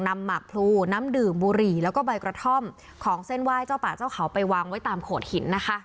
หมากพลูน้ำดื่มบุหรี่แล้วก็ใบกระท่อมของเส้นไหว้เจ้าป่าเจ้าเขาไปวางไว้ตามโขดหินนะคะ